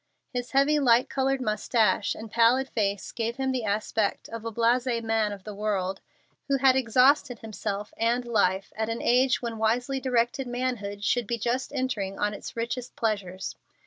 His heavy, light colored mustache and pallid face gave him the aspect of a blase man of the world who had exhausted himself and life at an age when wisely directed manhood should be just entering on its richest pleasures.